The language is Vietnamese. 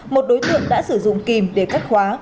một đối tượng đã sử dụng kìm để cắt khóa